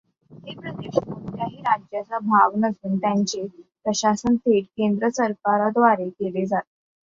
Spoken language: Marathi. हे प्रदेश कोणत्याही राज्याचा भाग नसून त्यांचे प्रशासन थेट केंद्र सरकारद्वारे केले जाते.